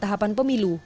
delapan tahapan pemilu